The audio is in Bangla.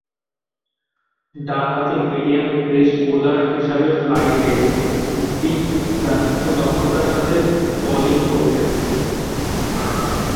ডানহাতি মিডিয়াম পেস বোলার হিসেবে ফ্লাইটে দিক-নিশানা ও দক্ষতার সাথে বোলিং করতেন।